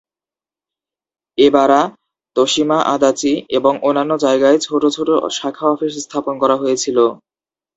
এবারা, তোশিমা, আদাচি এবং অন্যান্য জায়গায় ছোট ছোট শাখা অফিস স্থাপন করা হয়েছিল।